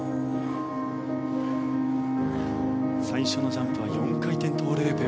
最初のジャンプは４回転トウループ。